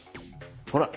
ほら！